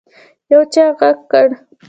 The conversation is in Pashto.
يو چا غږ کړ.